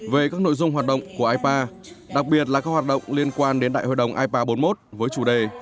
về các nội dung hoạt động của ipa đặc biệt là các hoạt động liên quan đến đại hội đồng ipa bốn mươi một với chủ đề